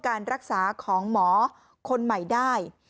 การรักษาของหมอคนใหม่ได้